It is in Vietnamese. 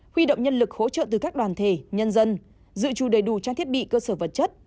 huy động nhân lực hỗ trợ từ các đoàn thể nhân dân dự trù đầy đủ trang thiết bị cơ sở vật chất